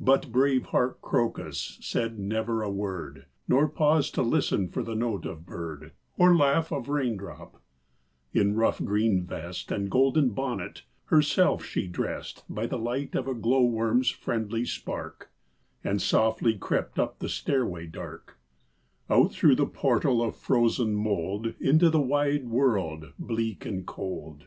But brave heart Crocus said never a word, Nor paused to listen for note of bird, Or laugh of raindrop In rough green vest And golden bonnet, herself she dressed By the light of a glow worm's friendly spark, And softly crept up the stairway dark, Out through the portal of frozen mold Into the wide world, bleak and cold.